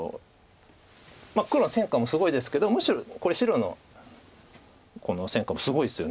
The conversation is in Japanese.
黒戦果もすごいですけどむしろこれ白の戦果もすごいですよねこれ。